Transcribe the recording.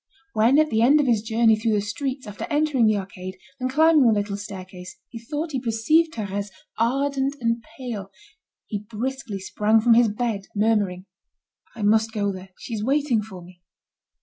When at the end of his journey through the streets, after entering the arcade, and climbing the little staircase, he thought he perceived Thérèse, ardent and pale, he briskly sprang from his bed, murmuring: "I must go there. She's waiting for me."